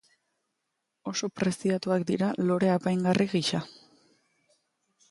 Oso preziatuak dira lore apaingarri gisa.